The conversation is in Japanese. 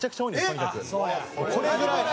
これぐらい。